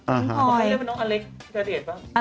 เขาเรียกว่าน้องอเล็กซิลาเดชป่ะ